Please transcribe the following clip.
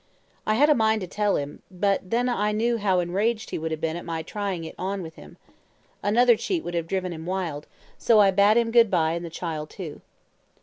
I had had a mind to tell him, but then I knew how enraged he would have been at my trying it on with him. Another cheat would have driven him wild, so I bade him good bye and the child too.